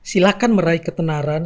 silakan meraih ketenaran